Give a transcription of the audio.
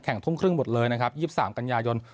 แข่งทุ่มครึ่งหมดเลยนะครับยี่สิบสามกันยายน